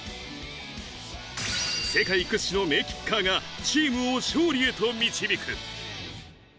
世界屈指の名キッカーがチームを勝利へと導く。